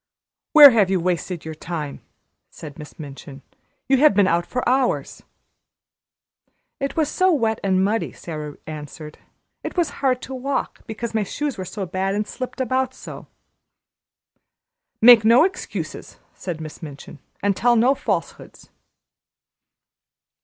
"Where have you wasted your time?" said Miss Minchin. "You have been out for hours!" "It was so wet and muddy," Sara answered. "It was hard to walk, because my shoes were so bad and slipped about so." "Make no excuses," said Miss Minchin, "and tell no falsehoods."